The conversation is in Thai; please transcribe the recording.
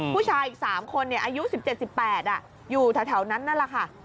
ผู้ชายอีก๓คนอายุ๑๗๑๘อยู่แถวนั้นนั่นแหละค่ะ